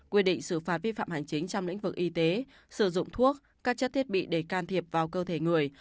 quy định xử phạt vi phạm hành chính trong lĩnh vực y tế sử dụng thuốc các chất thiết bị để can thiệp vào cơ thể người